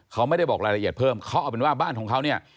เขาไม่ได้บอกรายละเอียดเพิ่มเขาเอาเป็นว่าบ้านของเขาเนี่ย